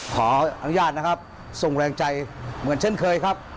ขออนุญาตนะครับส่งแรงใจเหมือนเช่นเคยครับ